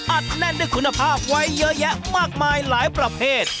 อัดแน่นด้วยคุณภาพไว้เยอะแยะมากมายหลายประเภท